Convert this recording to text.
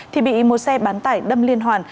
thì bị một xe bán tải đâm liên hoàn